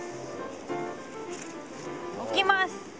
巻きます。